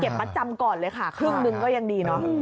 เก็บประจำก่อนเลยค่ะครึ่งนึงก็ยังดีเนาะ